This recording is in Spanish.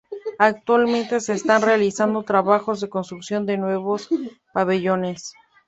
Actualmente se están realizando trabajos de construcción de nuevos pabellones.